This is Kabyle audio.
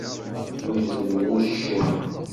Yuzzel wuccen.